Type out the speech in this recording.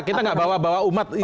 kita nggak bawa bawa umat